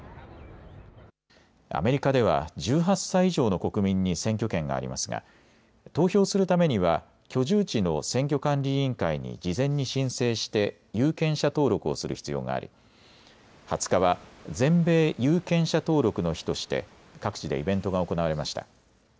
アメリカでは１８歳以上の国民に選挙権がありますが投票するためには居住地の選挙管理委員会に事前に申請して有権者登録をする必要があり２０日は全米有権者登録の日として各地でイベントが行われました。